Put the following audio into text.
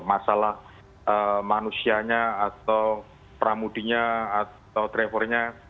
masalah manusianya atau pramudinya atau drivernya